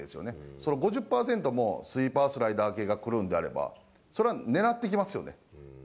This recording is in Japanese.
その５０％もスイーパー、スライダー系が来るんであれば、それは狙ってきますよね。